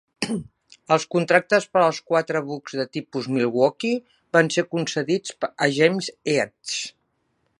Els contractes per als quatre bucs de tipus "Milwaukee" van ser concedits a James Eads.